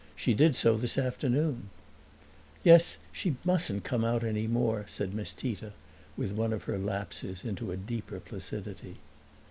She did so this afternoon." "Yes; she mustn't come out any more," said Miss Tita, with one of her lapses into a deeper placidity.